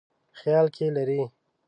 خیال کې لري.